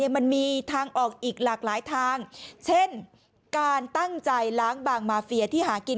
มันมีทางออกอีกหลากหลายทางเช่นการตั้งใจล้างบางมาเฟียที่หากิน